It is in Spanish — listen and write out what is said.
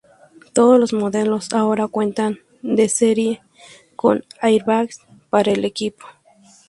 Todos los modelos ahora cuentan de serie con airbags para el equipo.